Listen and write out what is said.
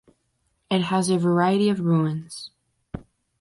It has a variety of ruins.